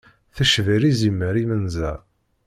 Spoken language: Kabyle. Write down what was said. Tecbiḍ izimer imenza.